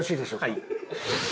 はい。